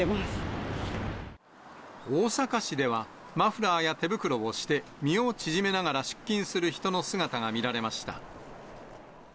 大阪市では、マフラーや手袋をして、身を縮めながら出勤する人の姿が見られました。